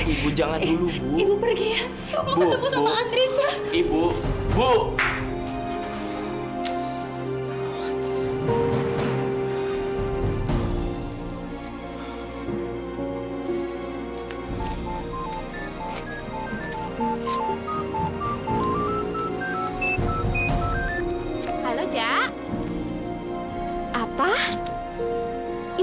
ibu ingin ketemu sama andre